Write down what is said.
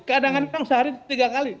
kadang kadang sehari tiga kali